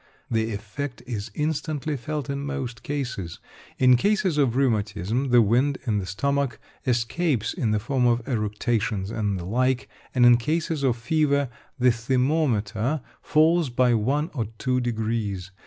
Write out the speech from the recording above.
The effect is instantly felt in most cases. In cases of rheumatism, the wind in the stomach escapes in the form of eructations and the like, and in cases of fever, the thermometre falls by one or two degrees.